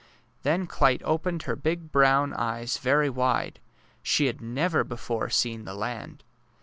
Then Clyte opened her big brown eyes very wide. She had never before seen the land!